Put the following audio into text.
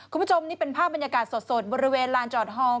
คุณผู้ชมนี่เป็นภาพบรรยากาศสดบริเวณลานจอดฮอง